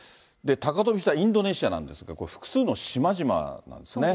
高飛びしたインドネシアなんですが、これ、複数の島々なんですね。